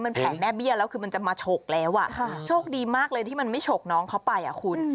มันแผงแม่เบี้ยแล้วคือมันจะมาฉกแล้วอ่ะโชคดีมากเลยที่มันไม่ฉกน้องเขาไปอ่ะคุณ